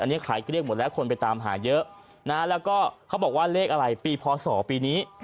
อันนี้ขายเกลี้ยหมดแล้วคนไปตามหาเยอะนะแล้วก็เขาบอกว่าเลขอะไรปีพศปีนี้